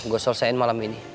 gue selesain malam ini